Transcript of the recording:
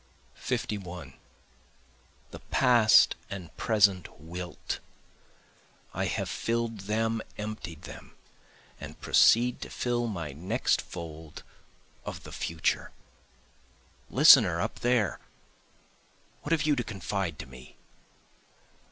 51 The past and present wilt I have fill'd them, emptied them. And proceed to fill my next fold of the future. Listener up there! what have you to confide to me?